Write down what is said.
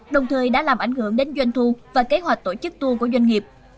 đồng thời đã làm ảnh hưởng đến doanh thu và kế hoạch tổ chức tour của doanh nghiệp